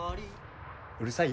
うるさい？